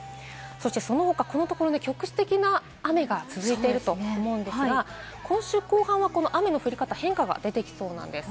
その他、このところ局地的な雨が続いていると思うんですが、今週後半はこの雨の降り方、変化が出てきそうなんです。